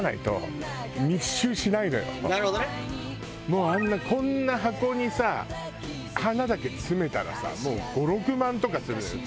もうあんなこんな箱にさ花だけ詰めたらさもう５６万とかするのよ。